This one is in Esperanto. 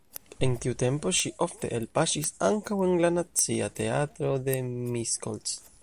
En tiu tempo ŝi ofte elpaŝis ankaŭ en la Nacia Teatro de Miskolc.